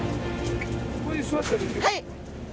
はい。